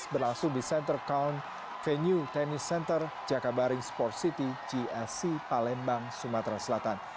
berlangsung di center count venue tennis center jakabaring sports city gsc palembang sumatera selatan